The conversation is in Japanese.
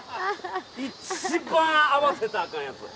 一番合わせたらあかんやつ。